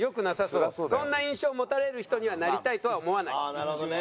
ああなるほどね。